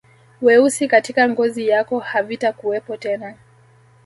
Weusi katika ngozi yako havitakuwepo tena